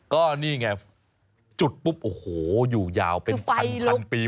ก็นี่ไงจุดปุ๊บโอ้โหอยู่ยาวเป็นพันพันปีหมื่นปี